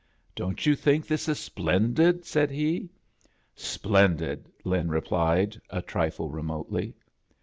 "Don't you think this is splendid?" said he. "Splendid," Lin replied, a trifle re motely.